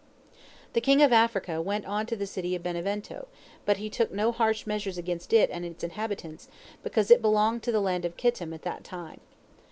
The king of Africa went on to the city of Benevento, but he took no harsh measures against it and its inhabitants, because it belonged to the land of Kittim at that time.